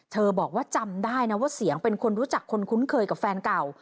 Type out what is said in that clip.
บอกว่าจำได้นะว่าเสียงเป็นคนรู้จักคนคุ้นเคยกับแฟนเก่า